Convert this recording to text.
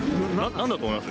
なんだと思います？